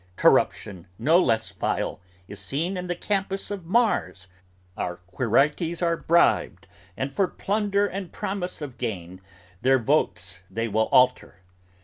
Corruption no less vile is seen in the campus of Mars, Our quirites are bribed; and for plunder and promise of gain Their votes they will alter.